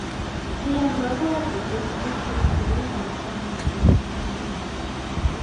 He has recorded the discussion to which the custom gave rise.